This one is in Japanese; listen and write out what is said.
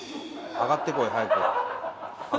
上がってこいよ。